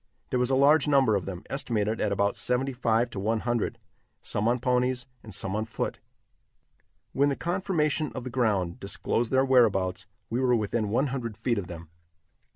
There was a large number of them, estimated at about seventy five to one hundred, some on ponies and some on foot. When the conformation of the ground disclosed their whereabouts, we were within one hundred feet of them.